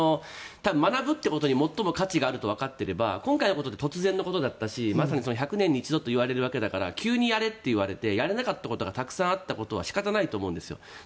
学ぶということに最も価値があるとわかっていれば今回のことって突然のことだったしまさに１００年に一度と言われるわけだから急にやれと言われてやれなかったことがたくさんあったことは仕方ないと思うんですよ。